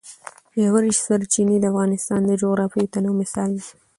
ژورې سرچینې د افغانستان د جغرافیوي تنوع مثال دی.